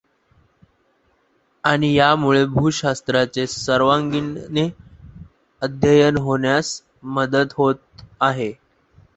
आणि यामुळे भू शास्त्राचे सर्वांगाने अध्ययन होण्यास मदत होत आहे.